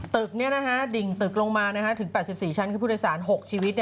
ตึกดิ่งตึกลงมาถึง๘๔ชั้นคือผู้โดยสาร๖ชีวิต